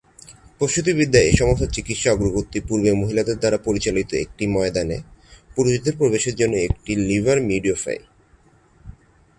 প্রসূতিবিদ্যায় এই সমস্ত চিকিৎসা অগ্রগতি পূর্বে মহিলাদের দ্বারা পরিচালিত একটি ময়দানে পুরুষদের প্রবেশের জন্য একটি লিভার-মিডওয়াইফারি।